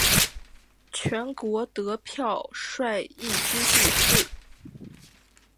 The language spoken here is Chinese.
全国得票率亦居第四。